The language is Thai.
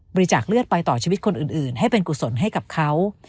จากเลือดไปต่อชีวิตคนอื่นให้เป็นกุศลให้กับเขา